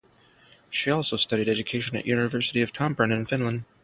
She also studied education at University of Tampere in Finland.